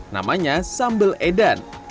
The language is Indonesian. namanya sambal edan